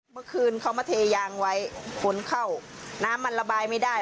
เมื่อคืนเขามาเทยางไว้ฝนเข้าน้ำมันระบายไม่ได้